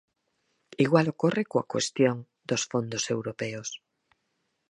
Igual ocorre coa cuestión dos fondos europeos.